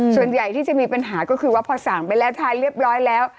ส่วนใหญ่ที่จะมีปัญหาก็คือว่าพอสั่งไปแล้วทานเรียบร้อยแล้ว